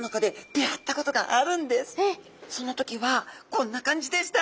その時はこんな感じでした。